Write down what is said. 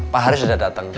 pak haris sudah datang